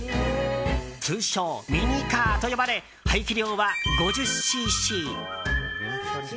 通称ミニカーと呼ばれ排気量は５０ｃｃ。